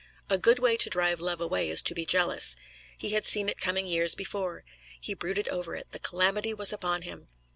A good way to drive love away is to be jealous. He had seen it coming years before; he brooded over it; the calamity was upon him.